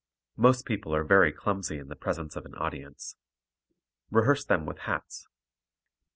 Most people are very clumsy in the presence of an audience. Rehearse them with hats.